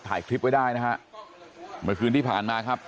ถ่ายคลิปไว้ได้นะฮะเมื่อคืนที่ผ่านมาครับ